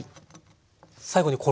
最後に衣。